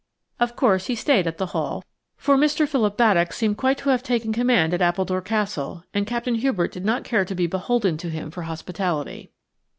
Of course, he stayed at the Hall, for Mr. Philip Baddock seemed quite to have taken command at Appledore Castle, and Captain Hubert did not care to be beholden to him for hospitality.